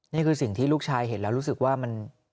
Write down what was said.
นี่คือสิ่งที่ลูกชายเห็นแล้วรู้สึกว่ามัน